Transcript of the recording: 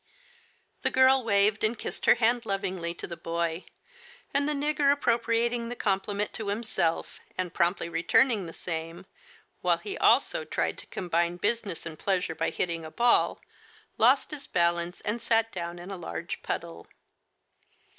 The girl waved and kissed her hand lovingly to the boy, and the nigger appropriating the compli ment to himself, and promptly returning the same, while he also tried to combine business and pleasure by hitting a ball, lost his balance, and sat down in a large puddle.